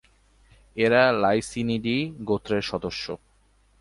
এরা ‘লাইসিনিডি’ গোত্রের সদস্য।